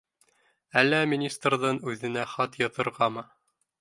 Әллә министрҙың үҙенә хат яҙырғамы?